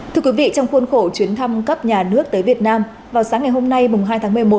thưa quý vị trong khuôn khổ chuyến thăm cấp nhà nước tới việt nam vào sáng ngày hôm nay hai tháng một mươi một